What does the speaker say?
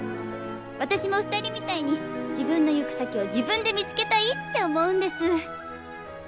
私も２人みたいに自分の行く先を自分で見つけたいって思うんです。